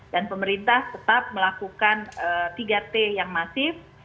pemerintah tetap melakukan tiga t yang masif